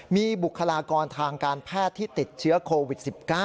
มีบุคลากรทางการแพทย์ที่ติดเชื้อโควิด๑๙